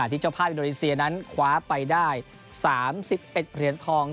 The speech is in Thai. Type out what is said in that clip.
ที่เจ้าภาพอินโดนีเซียนั้นคว้าไปได้๓๑เหรียญทอง